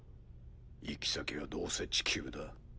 行き先はどうせ地球だ。